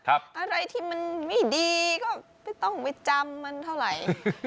อะไรที่มันไม่ดีก็ไม่ต้องไปจำมันเท่าไหร่